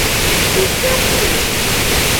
Dote mumu.